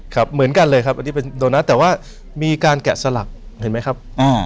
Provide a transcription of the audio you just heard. เหมือนกันเลยครับอันนี้เป็นโดนัทแต่ว่ามีการแกะสลักเห็นไหมครับ